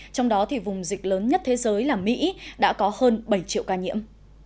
trong đó thì vùng dịch lớn nhất thế giới là mỹ đã có hơn bảy triệu ca nhiễm